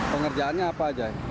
pengerjaannya apa pak